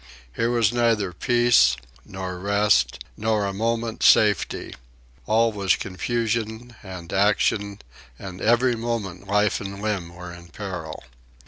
Here was neither peace, nor rest, nor a moment's safety. All was confusion and action, and every moment life and limb were in peril.